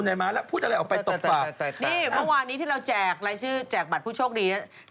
นี่เมื่อวานี้ที่เราแจกใบบัตรผู้โชคดี